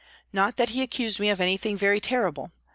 Not that he accused me of anything very terrible.